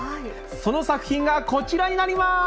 その作品がこちらになります。